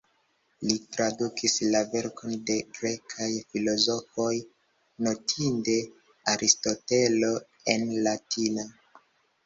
Li tradukis la verkon de grekaj filozofoj, notinde Aristotelo, en latina.